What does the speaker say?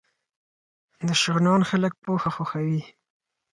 د شغنان خلک پوهه خوښوي